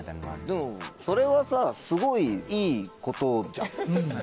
でもそれはさすごいいいことじゃん。